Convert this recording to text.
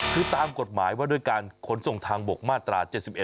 คือตามกฎหมายว่าด้วยการขนส่งทางบกมาตรา๗๑